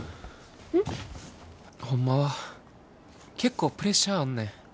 ん？ホンマは結構プレッシャーあんねん。